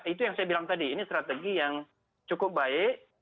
itu yang saya bilang tadi ini strategi yang cukup baik